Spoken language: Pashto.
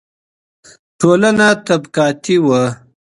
ټولنه طبقاتي وه.